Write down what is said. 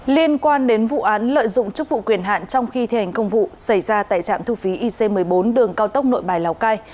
liên quan đến vụ án lợi dụng chức vụ quyền hạn trong khi thi hành công vụ xảy ra tại trạm thu phí ic một mươi bốn đường cao tốc nội bài lào cai